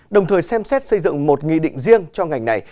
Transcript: đồng thời xem xét xây dựng một nghị định riêng cho ngành này